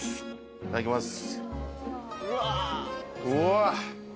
いただきます。